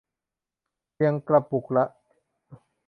เพียงกระปุกละ